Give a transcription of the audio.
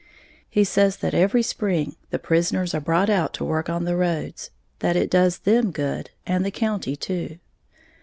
He says that every spring the prisoners are brought out to work on the roads, that it does them good, and the county too.